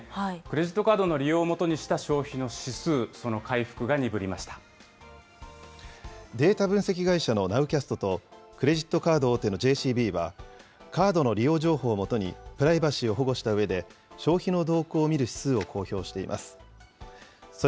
クレジットカードの利用を基にした消費の指数、その回復が鈍りまデータ分析会社のナウキャストと、クレジットカード大手のＪＣＢは、カードの利用情報を基に、プライバシーを保護したうえで、消費の動向を見る指数を公表しています。